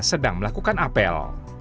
sedang melakukan apel